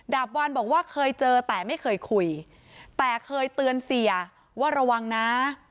บวันบอกว่าเคยเจอแต่ไม่เคยคุยแต่เคยเตือนเสียว่าระวังนะ